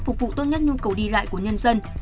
phục vụ tốt nhất nhu cầu đi lại của nhân dân